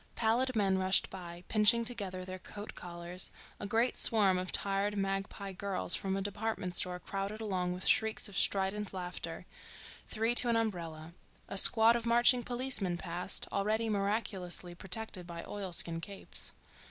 Pallid men rushed by, pinching together their coat collars; a great swarm of tired, magpie girls from a department store crowded along with shrieks of strident laughter, three to an umbrella; a squad of marching policemen passed, already miraculously protected by oilskin capes.